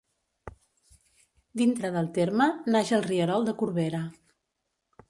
Dintre del terme naix el rierol de Corbera.